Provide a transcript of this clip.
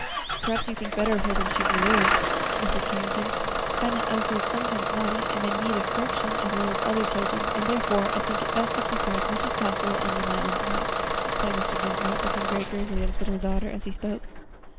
"Perhaps you think better of her than she deserves, Mrs. Carrington. I find that Elsie is sometimes naughty and in need of correction, as well as other children, and therefore, I think it best to keep her as much as possible under my own eye," replied Mr. Dinsmore, looking very gravely at his little daughter as he spoke.